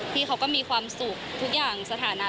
พี่เขาก็มีความสุขทุกอย่างสถานะ